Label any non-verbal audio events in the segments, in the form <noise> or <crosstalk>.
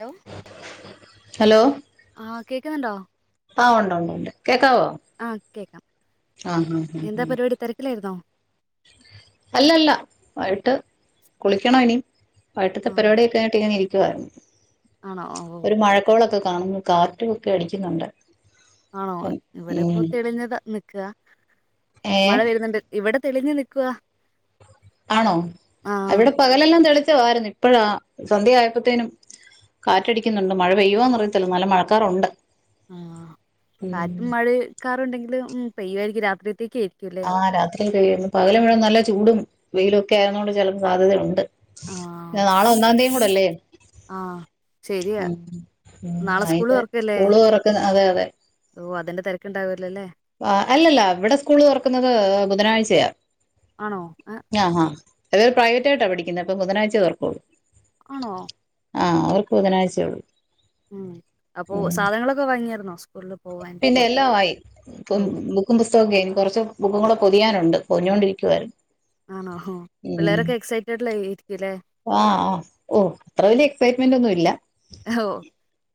Hello hello ആഹ് കേക്കുന്നുണ്ടോ ആ ഉണ്ട് ഉണ്ട് ഉണ്ട് കേൾക്കാമോ ആഹ് കേക്കാം എന്താ പരിപാടി തിരക്കിലായിരുന്നോ? അല്ലഅല്ല വൈകിട്ട് കുളിക്കണം ഇനി വൈകിട്ടത്തെ ആഹ് പരുപാടിയൊക്കെ കഴിഞ്ഞിട്ടിങ്ങനെ ഇരി ഇത് ആണോ ഓ ഒരു മഴ കോൾ ഓക്കെ കാണുന്നു കാറ്റും ഒക്കെ അടിക്കുന്നുണ്ട്. ആണോ അപ്പം ഇവിടെ ഇപ്പോ ഉം തെളിഞ്ഞത നിക്ക് ക്ക ഏ മഴ വരുന്നുണ്ട് ഇവിടെ തെളിഞ്ഞു നിൽക്കുവാ ആണോ അവിടെ പകൽ എല്ലാം തെളി മഴ ആരുന്നു ഇപ്പോഴാ സന്ധ്യയപ്പോത്തേനും കാറ്റടിക്കുന്നുണ്ട് മഴ പെയ്യുവോന്ന് അറിയത്തില്ല നല്ല മഴക്കാറുണ്ട് ആ ഉം കാറ്റും മഴേ കാറുണ്ടെങ്കിലും പെയ്യുയായിരിക്കും രാത്രി പ്രതി ആ രാത്രി പെയ്യും പകല് മുഴുവൻ നല്ല ചൂടും വെയിലും ഒക്കെ ആയിരുന്നു കൊണ്ട് ചിലപ്പോ സാധ്യത ഉണ്ട് ആഹ് പിന്നെ നാളെ ഒന്നാം തീയതി യും കൂടെ അല്ലേ ആഹ് ശരിയാ നാളെ സ്കൂള് അതിൻ്റെ തുറക്കല്ലേ സ്കൂൾ തുറക്കുന്ന അതെ അതെ ഓ അതിന്റെ തിരക്കുണ്ടാവല്ലോ അല്ലെ ആ അല്ല അല്ല ഇവിടെ സ്കൂൾ തുറക്കുന്നത് ബുധനാഴ്ച ആണോ ആ അവർ പ്രൈവറ്റായിട്ട പഠിക്കുന്നെ അപ്പൊ ബുധനാഴ്ച തുറക്കോള്ളൂ ആണോ ആ അവർക്ക് ബുധനാഴ്ച ഉള്ളൂ ഉം അപ്പൊ സാധനങ്ങളൊക്കെ വാങ്ങിയായിരുന്നോ സ്കൂൾ പിന്നെ പോകാനുള്ളത് എല്ലാമായി ബുക്കും പുസ്തകവും ഒക്കെ <unintelligible> കുറച്ചും ബുക്കും ഒന്നൂടെ പൊതിയാനുണ്ട് പൊഞ്ഞുകൊണ്ടിരിക്കു ആയിരുന്നു ആണോ ഉ പിള്ളേരൊക്കെ എക്സൈറ്റഡിലായിരിക്കുംല്ലേ ആ ആ ഓ അത്ര വലിയ എക്സൈറ്റ്മെന്റ് ഒന്നുമില്ല. ഓ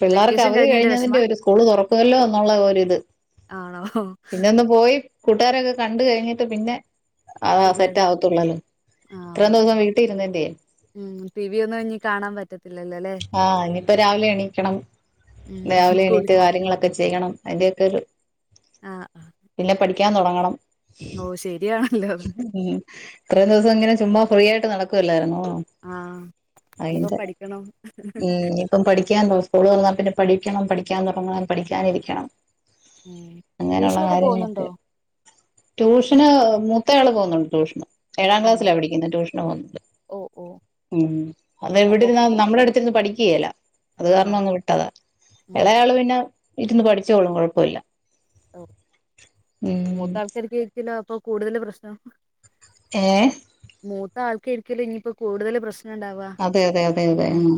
പിള്ളാർക്ക് വെക്കേഷൻ അവധി കഴിഞ്ഞതിന്റെ വിഷമാ കഴിഞ്ഞതിൻ്റെ സ്കൂൾ തുറക്കുമല്ലോ എന്നൊരു ഇത് ആണോ പിന്നെ ഒന്ന് പോയി കൂട്ടുകാരൊക്കെ കണ്ട കഴിഞ്ഞിട്ട് പിന്നെ അതാ ശെരിയാ സെറ്റ് ആവത്തുള്ളല്ലോ ഇത്രയും ആഹ് ദിവസം വീട്ടിൽ ഇരുന്നതിന്റെയെ മ്മ്ഹ് പിപി ഒന്നും കാണാ പറ്റത്തില്ല ആഹ് ഇനിപ്പ രാവിലെ എണീക്കണം ഉം രാവിലെ കുളി എണീറ്റ് കാര്യങ്ങളെക്കെ ചെയ്യണം അതിന്റെക്കെ ഒരു പിന്നെ പഠിക് ക്കാൻ തൊടങ്ങണം ഓഹ് ശെരിയാണല്ലോ ഇത്രം ദിവസം ഇങ്ങനെ ചുമ്മാ ഫ്രീ ആയിട്ട് നടക്കുവല്ലായിരുന്നോ ആഹ് ഇനിപ്പ പഠിക്കണം ഉംഹ് ഇനിപ്പം പഠിക്കാനു സ്കൂൾ തുറന്നാ പിന്നെ പഠിക്കണം പഠിക്കാൻ തൊടങ്ങണം പഠിക്കാനിരിക്കണം ഉം അങ്ങനൊള്ള ട്യൂഷനൊക്കെ പോകുന്നുണ്ടോ കാര്യങ്ങളൊക്കെയാ ട്യൂഷന് മൂത്ത് ത്തേ ആള് പോന്നോണ്ട് ട്യുഷന് ഏഴാം ആണോ ക്ലാസ്സിലാ പഠിക്ക്ന്നെ ട്യൂഷന് പോകണ്ട് ഓ ഓ ഉ അത അപ്പൊ എവിടെന്ന പു- നമ്മളു പഠിക്യേല അത് ആണോ കാരണം അങ്ങ് വിട്ടതാ ഉം എളയാള് പിന്നെ ഇരുന്ന് പഠിച്ചോളും കൊഴപ്പില്ല ഓഹ് മൂത്താൾക്ക് എരിക് കൂടുതല് പ്രശ്നം ഏഹ് മൂത്താൾക്കെരിക്കല്ല് ഇനിപ്പോ കൂടുതല് പ്രശ് അതെ അതെ അതെ അതെ മ്മ്ഹ്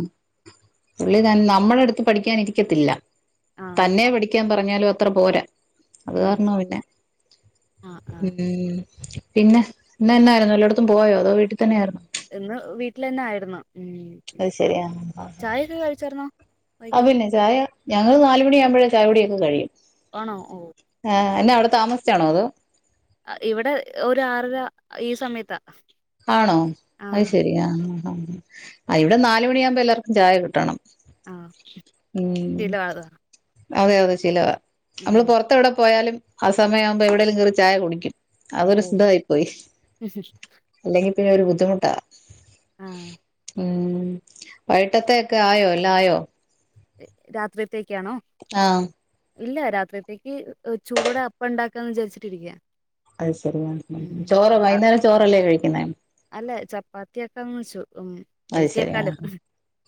പുള്ളി തൻ നമ്മുടെടു പഠിക്കാനിരിക്കത്തില്ല ആഹ് തന്നെ പഠിക്കാൻ പറഞ്ഞാലു അത്ര പോരാ അത് ഉം കാരണവാ പിന്നെ ആഹ് ആഹ് മ്മ്ഹ് പിന്നെ ഇന്നെന്നായിരുന്നു വല്ലോട്ത്തും പോയോ അതോ വീട്ടി തന്നെയാർന്നോ ഇന്ന് വീട്ടിലന്നായിരുന്നു മ്മ്ഹ് ചായ ഒക്കെ കഴിച്ചാര്ന്നോ അഹ് പിന്നെ ചായ ഞങ്ങള് നാല് മണിയാവുമ്പോഴാ ചായ കുടിയെക്കെ കഴിയും ആണോ ഓഹ് താമസ്ച്ചാണോ അതോ ആ ഇവിടെ ഒരാറര ഈ സമയത്താ ആണോ അത് ആഹ് ശെരിയാഹ് ആ ഇവിടെ നാല് മണിയാമ്പം എല്ലാർക്കും ചായ കിട്ടണം. ആഹ് ഉം ശീലാണ് അതെ അതെ ശീലവാ അമ്മള് പൊറത്തെവിടെ പോയാലും. ആ സമയമാകുമ്പംഎവിടെലും കേറി ചായ കുടിക്കും. ഓ അതൊരു സ് തായിപോയി. ല്ലെങ്കി പിന്നൊരു ബുദ്ധിമുട്ടാ. ആഹ് ഉം വൈട്ടെത്തക്കെ ആയോ എല്ലാ ആയോ. ര് രാത്രിത്തേ ആഹ് ഇല്ല രാത്രിത്തേക്ക് <unintelligible> ചൂടോടെ അപ്പ ണ്ടാക്കാന്ന് വിചാരിച്ചിട്ടിരിക്ക്യ അഹ് ശരിയാ ഉം ഉംചോറൊ വൈന്നേരം ചോറല്ലേ കഴിക്കുന്നെ അല്ല ചപ്പാത്തിയാക്കാന്ന് വെച്ചു ഉം ഹെൽത്തി അഹ്ശരി ആക്കാലോ ആഹ്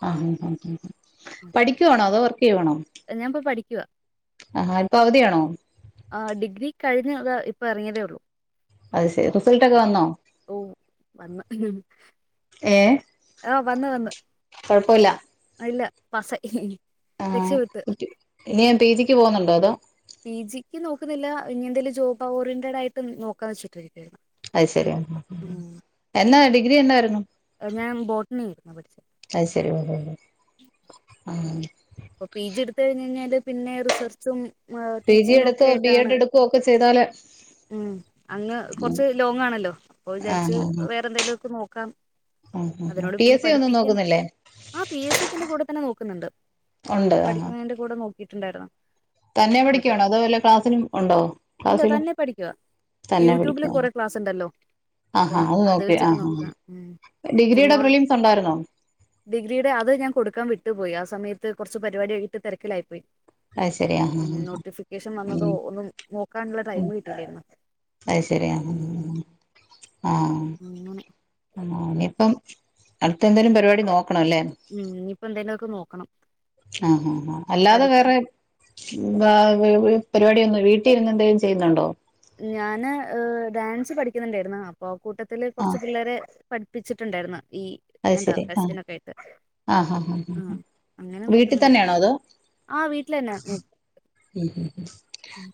അ അ ഉം <unintelligible> ണോ അതോർ ലീവാണോ ഞാൻപ്പോ പഠിക്കുവാ ആഹ് ഇപ്പവധിയണോ. ആഹ് ഡിഗ്രി കഴിഞ്ഞ അതോഇപ്പെറങ്ങീയതെള്ളൂ. അത്ശ് എ റിസൾട്ടൊക്കെ വന്നോ ഏ ഓ വന്ന് വന്നു കുഴപ്പോല്ല അ ഇല്ല പാസ്സായി. ആ രക്ഷപ്പെട്ട് ഇത് ഇനി താൻ പിജിക്ക് പോകുന്നുണ്ടോ അതോ. പി ജിക്ക് നോക്കുന്നില്ല ഇനി എന്തേലും ജോബഓറിയെന്റെടായിട്ട് നോക്കാൻ വെച്ചു അഹ് ശര്യ എന്നാ ഡി ഗ്രി ണ്ടായിരുന്നു. ഞാൻ ബോട്ടണി ആപഠിച്ച്. ആ പ്പൊ പിജി ട്ത്ത് കഴിഞ്ഞ് കഴിഞ്ഞാല് പിന്നെ റിസർച്ചും. മെ പി ജി ടീച്ചിംഗ് എടുത്ത് ഒക്കെ ബി ആയിട്ടാണ് എഡ് എടുക്കുവൊക്കെ ചെയ്താല് ഉം അങ്ങ് കുറച്ച് ലോങ് ആണല്ലോ അപ്പൊ വിചാരിച്ച് ആഹ് ആഹ് വേറെ എന്തേലും ഒക്കെ നോക്ക ക്കം ആഹ് ആഹ് അതിനോട് പി പിന്നെ എസ് സി ഒന്നും പഠിപ്പിക്കാൻ നോക്കുന്നില്ലേ ആ പി എസ് സി ഇതിന്റെ കൂടെ തന്നെ നോക്കുന്നുണ്ട്. ഉണ്ട് ആഹാ പഠിക്കുന്നതിന്റെ കൂടെ നോ ക്കിട്ടുണ്ടാരുന്നോ. തന്നെ അത്. പഠിക്കുവാണോ അതോ വല്ല ക്ലാസ്സിനും ഉണ്ടോ ഇല്ല ക്ലാസ്സിലും തന്നെ പഠിക്ക്വ. തന്നെ യൂട്യൂബില് പഠിക്കുവാ കൊറെ ക്ലാസ്സ് ണ്ടല്ലോ. അപ്പം ആഹാ അത് നോക്കി അതെച്ചിട്ട് ആഹാ നോക്ക. മ്മ് ചുമ്മ ഡിഗ്രിയുടെ പ്രിലിംസ് ഉണ്ടായിരുന്നോ ഡിഗ്രിയുടെ അത് ഞാൻ കൊടുക്കാൻ വിട്ടു പോയി ആ സ് സമയത്ത് കൊറച്ച് പരിപാടി ആയിട്ട് തെരക്കിലായി പോയി അത് ശരി ആഹാ ഉം ആഹാ നോട്ടിഫിക്കേഷൻ വന്നതോ ഉം ഒന്നും നോക്കാനുള്ള ഉം ടൈമ് കിട്ടില്യാരുന്നു ആ മോനിപ്പം അട് തെന്തേലും പരിപാടി നോക്കണം ല്ലേ ഉം ഇപ്പൊ എന്തേലുമൊക്കെ നോക്കണം ആ ഹാ ഹാ അല്ലാതെ പഠിക്കും വേറെ <unintelligible> പരിപാടി ഒന്നു വീട്ടീര്ന്ന് ന്തെലും ചെയ്യുന്നുണ്ടോ ഞാന് ഡാൻസ് പഠിക്കുന്നുണ്ടായിര് ന്നു അപ്പോ കൂട്ടത്തില് കുറച്ച് ആഹ് പിള്ളേരെ പഠിപ്പിച്ചിട്ടുണ്ടായിരുന്നു ഈ അത് എന്താ ശരി ആ ഫെസ്റ്റിനൊക്കെ ആയിട്ട് ആ ആഹ് അങ്ങനെ വീട്ടിൽ നോക്കുന്നുണ്ട് തന്നെയാണോ അതോ ആഹ് വീട്ടിൽ തന്നെ നോക്കും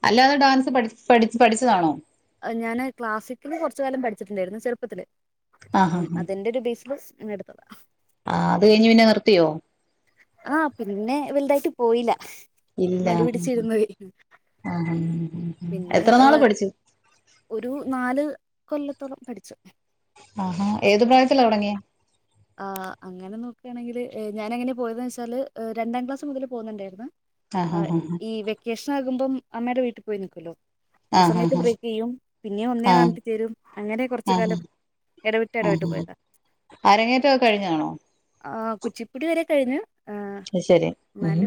അല്ലാതെ ഡാൻസ് പഠിച്ച പഠി പഠിച്ചതാണോ ഞാന് ക്ലാസിക്കല് കൊറച്കാലം പഠിച്ചിട്ടുണ്ടായിരുന്നു ചെറുപ്പത്തില് ആഹ് പ്പം ആഹ് അതിന്റെ ഒരു <unintelligible> എടുത്തതാ ആ അത് കയിഞ്ഞ് പിന്നെ നിർത്തിയോ ആ പിന്നെ വലുതായിട്ട് പോയില്ല ഇല്ല മടി പിടിച്ചിരുന്നോയി ആ പിന്നെ എത്ര നാള് ഏഹ്, പഠിച് ഒരു നാല് കൊല്ലത്തോളം പഠിച്ചു ആഹാ ഏത് പ്രായത്തില ഒടങ്ങിയെ? ആ അങ്ങനെ നോക്കുകയാണെങ്കില് ഞാനെങ്ങനെയ പോയെന്നച്ചാല് രണ്ടാം ക്ലാസ് മുതൽ പോകുന്നുണ്ടായിരുന്നു ആ ആഹ് ഹ ഹ ഈ വെക്കേഷൻ ആകുമ്പം അമ്മേടെ വീട്ടി പോയി നിക്ക്വല്ലോ ആ ആഹ് സമയത്ത് ഹ ബ്രേക്ക് ചെയ്യും പിന്നെ ഒന്നേ ആ ന്നയിട്ട് ചേരും അങ്ങനെ കുറച്ച് ആഹ് കാലം എടവിട്ടെടവിട്ട് ആഹ് ആ പോയതാ അരങ്ങേറ്റൊക്കെ കഴിഞ്ഞാണോ ആഹ്കുച്ചിപ്പുടി എ കഴിഞ്ഞു ത്ശരി മ്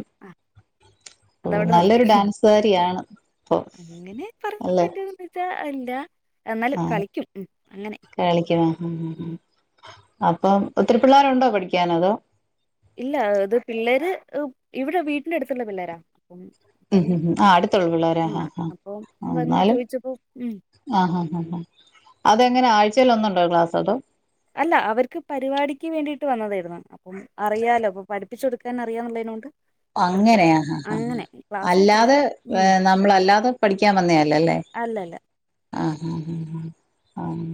അതവിടെ നിർത്തി നല്ലൊരു ഡാൻസ്കാരിയാണ് ഇപ്പൊ അങ്ങനെ പറയാൻ അല്ലെ പറ്റോന്ന് <unintelligible> ആ കളിക്കും ഉം അങ്ങനെ കളിക്കണ മ് മ് ഉം അപ്പം ഒത്തിരി പിള്ളാരുണ്ടോ പഠിക്കാനതോ ഇല്ല ത് പിള്ളേര് ഇവിടെ വീട്ടിന്റെ അടുത്തുള്ള പിള്ളേരാ അപ്പം അങ്ങനെ മ്ഹ്ഹ് ആ അടുത്തുള്ള ആ പിള്ളേരാഹാഹാ അപ്പം അ വന്ന് ന്നാലും ചോദിച്ചപ്പോ ഉം ആ ഹ ഹ ഹ അതെങ്ങനെ ആഴ്ച ച്ചേല് ഒന്നുണ്ടോ ക്ലാസ് അതോ അല്ല അവർക്ക് പരിപാടിക്ക് വേണ്ടിയിട്ട് വന്നതായിരുന്നു അപ്പം അറിയാലോ അപ്പൊ പഠിപ്പിച്ച കൊടുക്കാൻ അറിയാ എന്നുളെനെ കൊണ്ട് അങ്ങനെയാ ഹാ ഹാ ക്ലാസ്സായിട്ടില്ല അല്ലാതെ ഏ ഉം നമ്മള അല്ലാതെ പഠിക്കാൻ വന്നല്ലല്ലേ അല്ലല്ല ആ ആഹ് ആമ്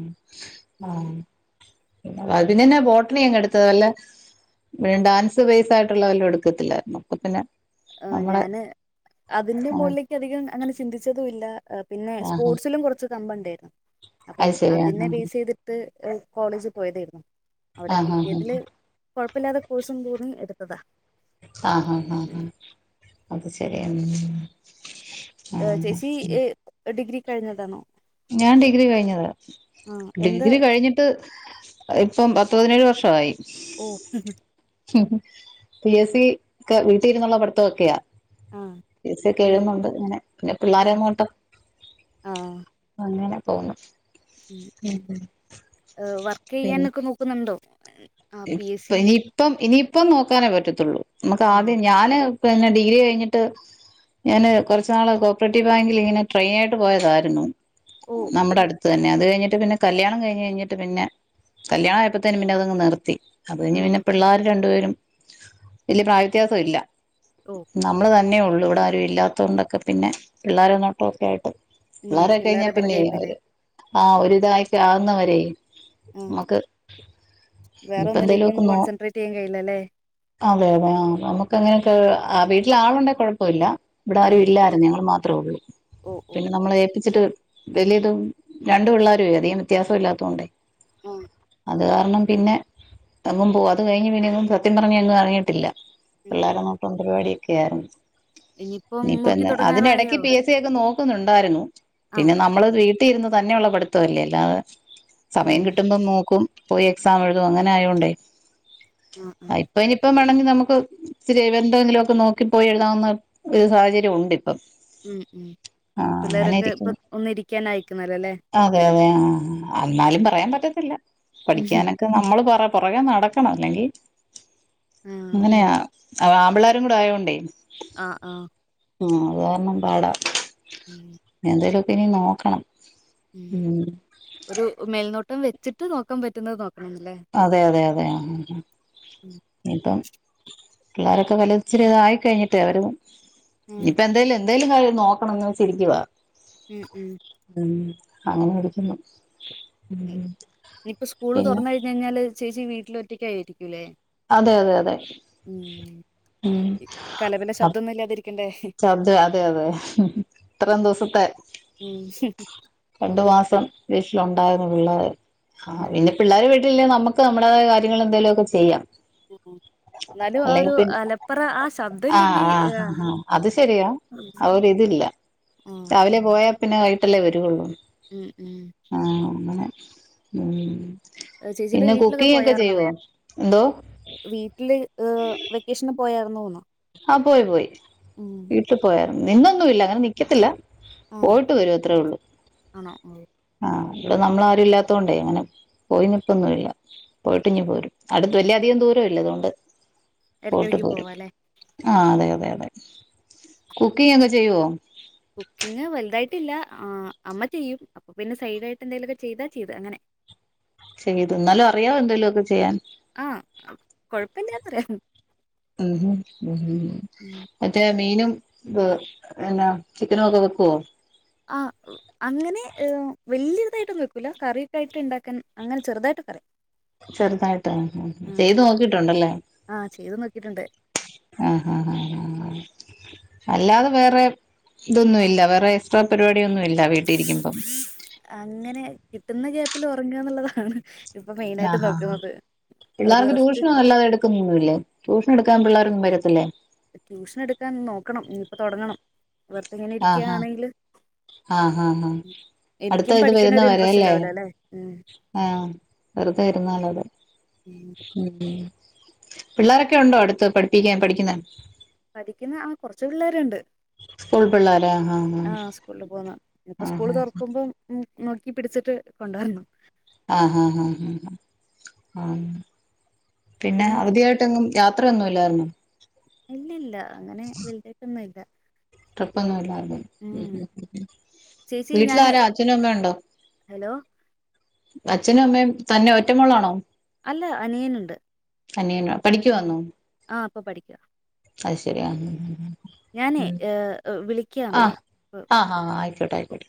ഉം ആഹ് അതിന് തന്ന ബോട്ടണി അങ്ങ് എടുത്തത് ല്ല ഡാൻസ് ബേസ് ആയിട്ടു വല്ല എടുക്കത്തില്ലായിരുന്നു അപ്പ പിന്നെ ആ നമ്മളെ ഞാന് അതിന്റെ ആ മുകളിലേക്ക് അധികം അങ്ങനെ ചിന്തിച്ചതുംല്ല പിന്നെ ആ ആ സ്പോർട്സിലും കുറച്ച് കമ്പം ഉണ്ടെർന്നു അപ്പം അത് ശരി ആ അതിനെ ബേസ് ആ ചെയ്തിട്ട് കോളേജിൽ പോയതേര്ന്നു അവിടെ ആ ആ കിട്ടിയതില് കുഴപ്പല്ലാതെ കോഴ്സും <unintelligible> എടുത്തതാ ആ ഹാ ഹാ ഹാ ഉം അത് ശെരിയ <unintelligible> അ ചേച്ചി ഡിഗ്രി കഴിഞ്ഞതാണോ ഞാൻ ഡിഗ്രി കഴിഞ്ഞതാ ആ എന്താ ഡിഗ്രി കഴിഞ്ഞിട്ട് ഇപ്പം പ് തിനേഴ് വർഷായി ഓ പി എസ് സി ക്കെ വീട്ടീരുന്നുള്ള പഠിത്തൊക്ക്യാ ആ പി എസ് സി എ- ഒക്കെഴുതുന്നുണ്ട് ഇങ്ങനെ പിന്നെ പിള്ളാരെ ഉം നോട്ടം ആ അങ്ങനെ പോന്നു <unintelligible> പിന്നെ ചെയ്യാനൊക്കെ നോക്കു ട്ടോ ഇപ്പ നിപ്പം ഇനി ഇപ്പം നോക്കാനേ പറ്റത്തുള്ളൂ നമക്ക് ആ ആദ്യം ഞാന് <unintelligible> ഡിഗ്രി കഴിഞ്ഞിട്ട് ഞാന് കുറച്ച് നാള് കോഓപ്പറേറ്റീവ് ബാങ്കിൽ ഇങ്ങനെ ട്രെയിനി ആയിട്ട് പോയതായിരുന്നു ഓ നമ്മുടെ അടു അതെന്നെ അത്‌ കിഴിഞ്ഞിട്ട് പിന്നെ കല്യാണം കഴിഞ്ഞയിഞ്ഞിട്ട് പിന്നെ കല്യാണയപ്പോത്തേന് പിന്നെ അത്ങ് നിർ ത്തി അത് കഴിഞ്ഞ് ആ പിന്നെ പിള്ളേര് രണ്ട് പേര് വല്ല്യ പ്രായവ്യത്യാസം ഇല്ല ഓ നമ്മള് തെ ന്നേ ഉള്ളൂ ഇവിടെ ആരുംല്ലാത്തോ ണ്ടൊക്കെ പിന്നെ പിള്ളാരെ നോട്ടൊക്കെക്കായിട്ട് ഉം പിള്ളാരൊക്കെഴിഞ്ഞാ പിള്ളേരെ പിറകെ ആയിപ്പോയില്ലേ പിന്നെയവര് ആ ഒരിവിതക്കെ ആവുന്ന വരേ ഉം മ്മക്ക് വേറെ ഒന്നിലേക്കും ഇപ്പന്തേലൊക്ക് നോ കോൺസെൻട്രേറ്റ് ചെയ്യാൻ കഴിയില്ലല്ലേ അ വേണം ആ നമ്മുക്കങ്ങനെയൊക്കെ വീട്ടില് ആളുണ്ടെ കൊഴപ്പല്ല ഇവിട ആരും ഉം ഇല്ലായിരുന്നു ഞങ്ങൾ മാത് ത്രെള്ളു ഓ ഓ പിന്നെ നമ്മളെ <unintelligible> വലിയതും രണ്ടു പിള്ളേരെ അധികം വ്യത്യാസം ഇല്ലാത്തൊണ്ടേ ആഹ് അത് കാരണം പിന്നെ അമ്മം പോം അത് കഴിഞ്ഞ് പിന്നെങ്ങും സത്യം പറഞ്ഞ ഒന്നും അറിഞ്ഞിട്ടില്ല ഉം പിള്ളാര് നോട്ടോം പരിപാടി <unintelligible> ഇനിയിപ്പം നോക്കി നിയിപ്പന്നാ അതിനെടക്ക് തുടങ്ങാറായോ പി എസ് സി ഒക്കെ നോക്കുന്നുണ്ടായിരുന്നു പിന്നെ ആഹ് നമ്മള് വീ <unintelligible> തന്നെയുള്ള പഠിത്തംല്ലേ ല്ലാ ഉം സമയം കിട്ടുമ്പം നോക്കും പോയി എക്സാം എഴു തും അങ്ങനെ ആയോണ്ടേ ആഹ് ആഹ് ആ ഇപ്പ ഇനിയിപ്പ മേണ നമുക്ക് സ് <unintelligible> എന്തെങ്കിലുമൊക്കെ നോക്കിപ്പോയി എഴുതാവുന്ന ഒരു സാഹചര്യംണ്ട് പ്പം ഉം ഉം ആ പിള്ളേരൊക്കെ ഇപ്പൊ അങ്ങനെയിരിക്ക്ണ് ഒന്നിരിക്കാനായിക്കുന്നല്ലോല്ലേ അതെതെ ആ അന്നാലും പറയാൻ പറ്റത്തില്ല പഠിക്കാന നമ്മള് പറ പൊറകെ നടക്കണം ല്ലെങ്കിൽ ആഹ് ങ്ങനെയാ അധാമ്പിളാരുംകൂടെ ആയതോണ്ടൈ അ ആ ആ അതാരണം പാട ഉം പിന്നെ നോക്കണം ഉം ഒരു മേൽനോ പം വെച്ചിട്ട് നോക്കാൻപറ്റുന്നത് നോ അതെതെ തെ ഉം ഉം ഉം ഇപ്പം പിള്ളാരൊക്കെ വലത്ച്ചിരി ഇതായി കഴിഞ്ഞിട്ട് അവരും ഉം ഇപ്പ എന്തേല് എന്തേലും കാര്യം നോക്കണം ന്ന്‌ വെച്ചിരിക്കുവാ ഉം ഉം ഉം അങ്ങനെ ആടിക്കുന്നു ഇപ്പോ സ്കൂള് തുറന്ന കഴിഞ്ഞ കഴിഞ്ഞാല് ചേച്ചി വീട്ടില് ഒറ്റക്കആയിരിക്കൂല്ലേ അതെ അതെ അതെ ഉം കലപില ശബ്ദൊന്നും ഇല്ലാതിരിക്കണ്ടേ അതെ അതെ ഇത്രയും ദിവസത്തെ ഉം രണ്ടു മാസം വീട്ടിലുണ്ടായിരുന്നു പിള്ളാര് ആഹ് ഇനി പിള്ളാര് വ ല്ലെ നമക്ക് നമ്മുടെതായ കാര്യങ്ങൾ എന്തേലും <unintelligible> ചെയ്യാം ഉം എന്നാലും ആ അല്ലെങ്കിൽ ഒരു പിന്നെ അലപ്പറ ആ ശബ്ദം ഇല്ലെങ്കി ആഹ ആ അ അത് ശരിയാ അഒര് തില്ല ആഹ് രാവിലെ പോയ പിന്നെ വൈട്ടല്ലേ വരൂള്ളൂ ഉം ഉം ഉം ചേച്ചിയുടെ പിന്നെ വീട്ടിലൊക്കെ കുക്കി <unintelligible> ക്കെ പോയാർന്നോ ചെയ്യുവോ എന്തോ വീട്ടില് ഏഹ് വെക്കേഷന് പോയാർന്നു ന്ന് അ പോയി പോയി വീട്ട് പോയ നിന്നൊന്നില്ല അങ്ങനെ നിക്കത്തില്ല ആഹ് പോയിട്ട് വര്വഅത്രേ ഉള്ളൂ ആണോ ഉം. ആഹ് ഇ വെ നമ്മളാരുല്ലാത്തോണ്ടെ അങ്ങനെ പോയിനിക്കൊന്നില്ല പോയിട്ട് ഇങ് പോരും അടുതുല്യ ഭൂരൊന്ല്ല <unintelligible> അത്കൊണ്ട് ഇടക്കിടക് പോവാലേ ആ അതെ അതെ കുക്കിം ഒക്കെ ചെയ്യോ കുക്കിങ് വലുതായിട്ടില്ല ആ അമ്മ ചെയ്യും അപ്പൊ പിന്നെ സൈഡായിട്ട് എന്തെലൊക്കെ ചെയ്താ ചെയ്ത് അങ്ങനെ ചെയ്തു എന്നാലു അറിയാ എന്തെ ലൊകെ ചെയ്യാൻ ആഹ് കൊഴപ്പില്ലാത്ര മ്മ്ഹ് ഉം മറ്റേ മീനും ഇഹ് എന്നാ ചിക്കനൊക്കെ വെക്കോ ആ അങ്ങനെ വല്ല്യരുതായിട്ടന്നും വക്കൂല കറിയൊക്കയിട്ട് ഇണ്ടക്കാൻ അങ്ങനെ ചെറുതായിട്ടൊക്കറ്യ ചെറുതായിട്ട് ഹ് ഹ് ചെയ്ത് നോക്കിട്ടുണ്ടല്ലേ ആഹ് ചെയ്ത് നോക്കിയിട്ടുണ്ട് ആഹ ആഹ് ആ ആ അല്ലാതെ വേറെ ഇതൊന്നു ഇല്ല വേറെ എക്സ്ട്രാ പരിപാടിയൊന്ന് <unintelligible> അങ്ങനെ കിട്ടുന്ന ക്യാപ്പിൽ ഉറങ്ങ എന്നുള്ളതാണ് ഇപ്പൊ മെയിനായിട്ട് ആഹ ആഹ് ആഹ്‌ നോക്കുന്നത് ഒരു പിള്ളേർക്ക് റെസ്റ്റ് ട്യൂഷന നല്ലാതെ എടുക്കുന്നൊന്നുമില്ലേ ട്യൂഷൻ എടുക്കാൻ പിള്ളേരൊന്ന <unintelligible> വര അല്ലേ ട്യൂഷനെടുക്കാൻ നോക്കണം ഇനിയിപ്പ തെട്ങ്ങണം ആഹഹാ ആഹ ഹാ ഹാ എനിക്കും അടുത്തായിട്ട് പഠിക്കാൻ ഒരു വരുന്നവരെ ഇൻട്രസ്റ്റ് ല്ലേ ഉണ്ടാവില്ല അല്ലെ ഉം ആഹ വെറുതെ വരുന്നള്ള <unintelligible> ത് ഉം. ഉ പിള്ളേരൊക്കെ ഉണ്ടോ അടുത്ത് പഠിപ്പിക്കാൻ പഠിക്കുന്ന പഠിക്കുന്ന ആ കൊറച്ച് പിള്ളേര്ണ്ട് സ്കൂൾ പിള്ളേര് ആഹ് ആഹ് സ്കൂളിൽ പോവുന്ന ഇനി ഇപ്പം സ്കൂള് ആഹ് തുറക്കുമ്പം ഉം നോക്കി പിടിച്ചിട്ട് കൊണ്ടോരണം ആഹാഹ് ഉം പിന്നെ അവധിയായിട്ടെങ്ങും യാത്ര അത്രന്നുല്ല്യായിരുന്നു ഇല്ലില്ല അങ്ങനെ വലുതായിട്ടൊന്നും ഇല്ല ട്രിപ്പൊന്നും ഇല്ലായിരുന്നു ഉം ഉം ചേച്ചി ഞാനേ വീട്ടിലാരാ അച്ഛനമ്മേം ഒണ്ടോ ഹലോ അച്ഛനും അമ്മയും തന്നെ ഒറ്റ മോളാണോ അല്ല അനിയനുണ്ട് അനിയനോ ഉഹും പഠിക്കുവാന്നോ? ആ ഇപ്പൊ പഠിക്കാ അത് ശരി ആ ഹും ഹും ഞാനേ ഏഹ് വിളിക്കാമേ കേട്ടു ആയിക്കോട്ടെ